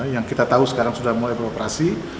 yang kita tahu sekarang sudah mulai beroperasi